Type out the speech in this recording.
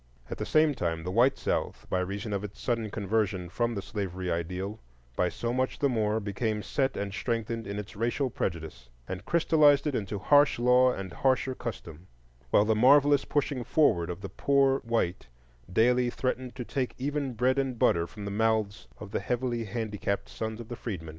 At the same time the white South, by reason of its sudden conversion from the slavery ideal, by so much the more became set and strengthened in its racial prejudice, and crystallized it into harsh law and harsher custom; while the marvellous pushing forward of the poor white daily threatened to take even bread and butter from the mouths of the heavily handicapped sons of the freedmen.